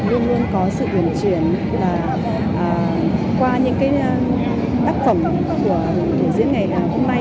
luôn luôn có sự huyền chuyển qua những tác phẩm của thể diễn ngày hôm nay